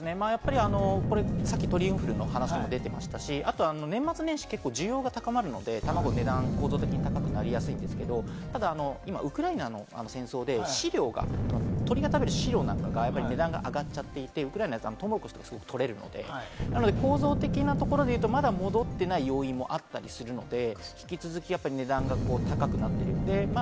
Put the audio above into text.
さっき鳥インフルの話も出ていましたし、あと年末年始は需要が高まるので、たまごの値段、恒常的に高くなりやすいんですけれども、今ウクライナの戦争で、飼料、鳥が食べる飼料なんかが値段が上がっちゃっていて、ウクライナのトウモロコシとかすごくとれるので、構造的なところで言うと、まだ戻っていない要因もあったりするので、引き続き値段が高くなっている。